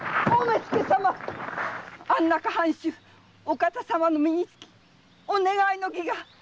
安中藩主・お方様の身につきお願いの儀が。